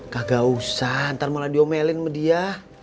kagak usah ntar malah diomelin sama dia